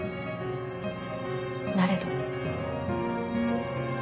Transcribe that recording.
なれど。